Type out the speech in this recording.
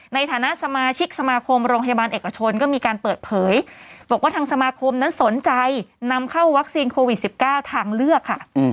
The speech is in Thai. ในฐานะสมาชิกสมาคมโรงพยาบาลเอกชนก็มีการเปิดเผยบอกว่าทางสมาคมนั้นสนใจนำเข้าวัคซีนโควิด๑๙ทางเลือกค่ะ